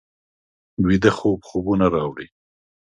ویده خوب خوبونه راوړي